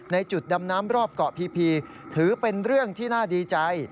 จุดดำน้ำรอบเกาะพีถือเป็นเรื่องที่น่าดีใจ